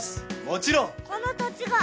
もちろん！